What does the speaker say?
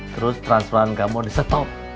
terus transplan kamu disetop